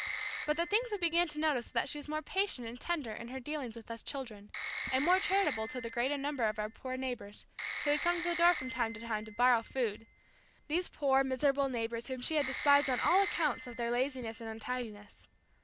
But the thing we began to notice was that she was more patient and tender in her dealings with us children, and more charitable toward the great number of our poor neighbors, who would come to the door from time to time to "borrow" food these poor, miserable neighbors whom she had despised on account of their laziness and untidiness.